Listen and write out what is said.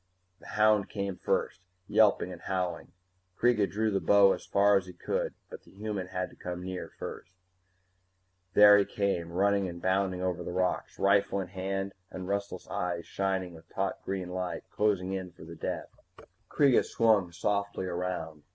The hound came first, yelping and howling. Kreega drew the bow as far as he could. But the human had to come near first There he came, running and bounding over the rocks, rifle in hand and restless eyes shining with taut green light, closing in for the death. Kreega swung softly around.